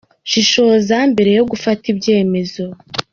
Shishoza mbere yo gufata ibyemezo :.